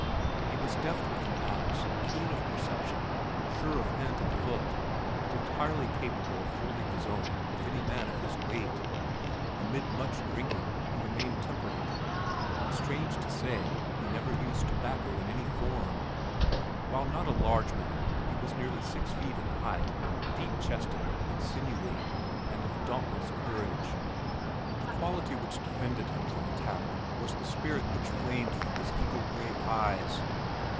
He was deft with an axe, keen of perception, sure of hand and foot, and entirely capable of holding his own with any man of his weight. Amid much drinking he remained temperate, and strange to say never used tobacco in any form. While not a large man he was nearly six feet in height, deep chested and sinewy, and of dauntless courage. The quality which defended him from attack was the spirit which flamed from his eagle gray eyes.